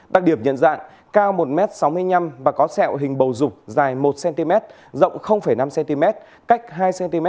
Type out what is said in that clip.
đặc điểm nhận dạng cao một m sáu mươi năm và có sẹo hình bầu dục dài một cm rộng năm cm cách hai cm